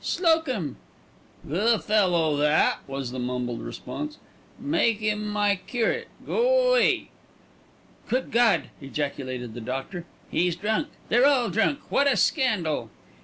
"Slocum!" "Goo' fellow tha'," was the mumbled response. "Make him my curate. Go 'way." "Good God!" ejaculated the doctor. "He's drunk. They're all drunk. What a scandal."